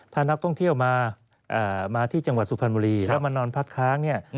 ถ้านักท่องเที่ยวมาที่จังหวัดสุพรรณบุรีแล้วมานอนพักค้างเนี่ย